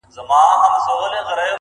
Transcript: زېری د خزان یم له بهار سره مي نه لګي!!